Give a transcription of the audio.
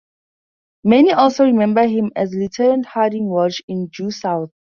Many also remember him as Lieutenant Harding Welsh in "Due South".